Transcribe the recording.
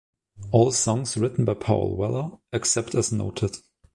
All songs written by Paul Weller except as noted.